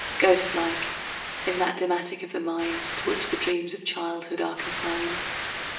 Ghost like, in that dim attic of the mind To which the dreams of childhood are consigned.